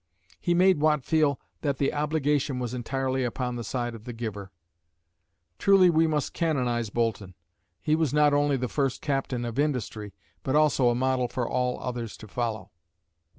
He made Watt feel "that the obligation was entirely upon the side of the giver." Truly we must canonise Boulton. He was not only the first "Captain of Industry," but also a model for all others to follow.